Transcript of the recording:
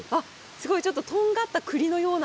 すごいちょっととんがったクリのような。